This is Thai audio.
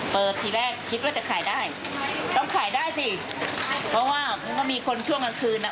ทีแรกคิดว่าจะขายได้ต้องขายได้สิเพราะว่ามันก็มีคนช่วงกลางคืนอ่ะ